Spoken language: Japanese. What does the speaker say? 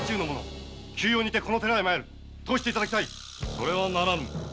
それはならぬ。